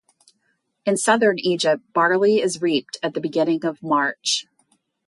In Southern Egypt, barley is reaped at the beginning of March.